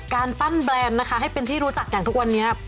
การปั้นแบรนด์นะคะให้เป็นที่รู้จักอย่างทุกวันนี้